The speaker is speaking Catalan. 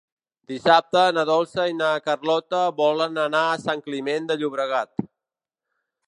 Dissabte na Dolça i na Carlota volen anar a Sant Climent de Llobregat.